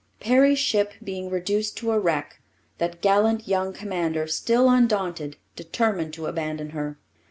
Perry's ship being reduced to a wreck, that gallant young commander, still undaunted, determined to abandon her.